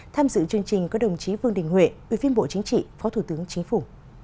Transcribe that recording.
tham dự chương trình có đồng chí vương đình huệ ủy viên bộ chính trị phó thủ tướng chính phủ